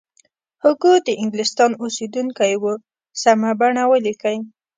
هوګو د انګلستان اوسیدونکی و سمه بڼه ولیکئ.